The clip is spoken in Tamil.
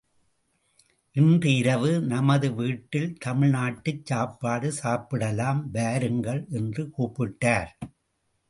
இன்று இரவு நமது வீட்டில் தமிழ் நாட்டுச் சாப்பாடு சாப்பிடலாம் வாருங்கள் என்று கூப்பிட்டார்.